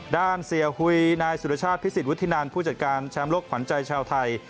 ด้านเสียหุยนายสุรชาติพิสิทธวุฒินันผู้จัดการแชมป์โลกขวัญใจชาวไทย